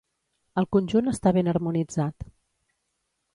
El conjunt està ben harmonitzat.